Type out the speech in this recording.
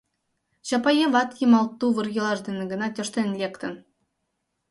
Чапаеват йымал тувыр-йолаш дене гына тӧрштен лектын.